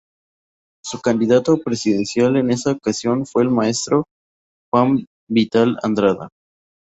Su candidato presidencial en esa ocasión fue el maestro Juan Vital Andrada.